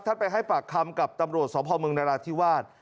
ไปให้ปากคำกับตำรวจสพมนราธิวาส